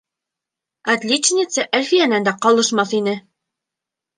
Отличница Әлфиәнән дә ҡалышмаҫ ине.